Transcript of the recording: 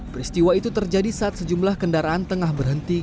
peristiwa itu terjadi saat sejumlah kendaraan tengah berhenti